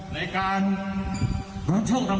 ร้อยแก่เป็นสุภาพสตรี